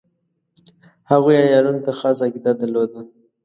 هغوی عیارانو ته خاصه عقیده درلوده.